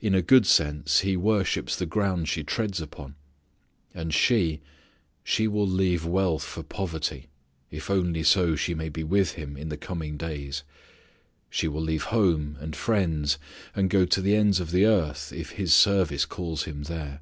In a good sense he worships the ground she treads upon. And she she will leave wealth for poverty if only so she may be with him in the coming days. She will leave home and friends, and go to the ends of the earth if his service calls him there.